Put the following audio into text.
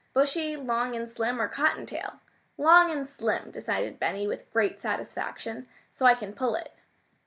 "Bushy, long and slim, or cotton tail?" "Long and slim," decided Benny with great satisfaction, "so I can pull it."